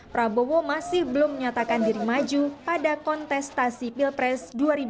prabowo masih belum menyatakan diri maju pada kontestasi pilpres dua ribu dua puluh